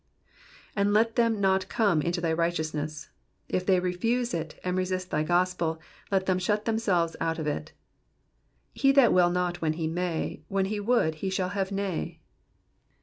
''''And let them not come into thy rtghteotuneu,'^^ If they refuse it, and resist thy gospel, let them shut themselves out of it. *' He that will not when he may, Wbeo be would be shall have nay.